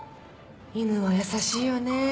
犬は優しいよね。